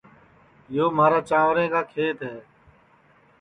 یو مھارا چانٚورے کا کھیت ہے